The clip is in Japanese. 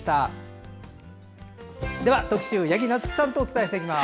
では、特集八木菜月さんとお伝えします。